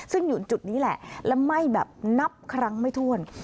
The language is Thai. ซึ่งอยู่จุดนี้แหละและไหม้แบบนับครั้งไม่ถ้วน